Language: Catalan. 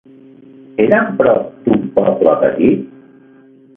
Eren prop d'un poble petit?